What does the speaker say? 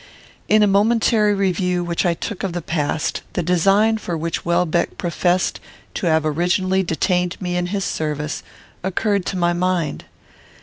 In a momentary review which I took of the past, the design for which Welbeck professed to have originally detained me in his service occurred to my mind.